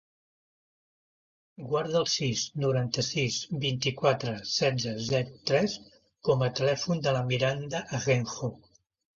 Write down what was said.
Guarda el sis, noranta-sis, vint-i-quatre, setze, zero, tres com a telèfon de la Miranda Ajenjo.